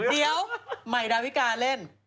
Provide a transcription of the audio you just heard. เดี๋ยวใหม่ดาวิกาเล่น